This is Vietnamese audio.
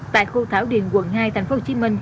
tại khu thảo điền quận hai tp hcm